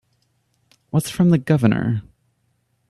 What's from the Governor?